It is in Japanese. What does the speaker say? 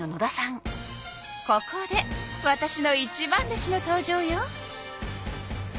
ここでわたしの一番弟子の登場よ。